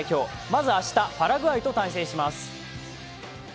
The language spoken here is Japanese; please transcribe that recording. まず明日、パラグアイと対戦します。